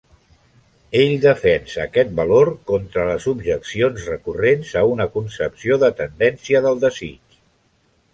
Ell defensa aquest valor contra les objeccions recorrent a una concepció de tendència del desig.